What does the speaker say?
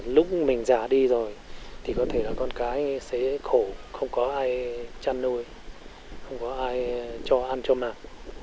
lúc mình già đi rồi thì có thể là con cái sẽ khổ không có ai chăn nuôi không có ai cho ăn cho nào